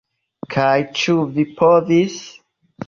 Kaj ĉu vi povis?